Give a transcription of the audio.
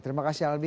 terima kasih albi